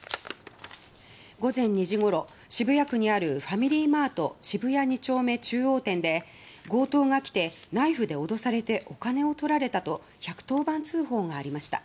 午前２時ごろ渋谷区にあるファミリーマート渋谷二丁目中央店で強盗が来てナイフで脅されてお金を取られたと１１０番通報がありました。